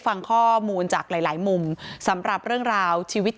ทั้งครูก็มีค่าแรงรวมกันเดือนละประมาณ๗๐๐๐กว่าบาท